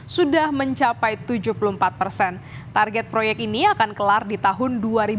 sudah mencapai tujuh puluh empat persen target proyek ini akan kelar di tahun dua ribu dua puluh